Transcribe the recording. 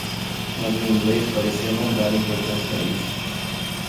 Mas o inglês parecia não dar importância a isso.